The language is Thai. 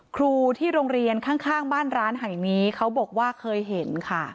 ครูที่โรงเรียนข้างบ้านร้านแห่งนี้เขาบอกว่าเคยเห็นค่ะ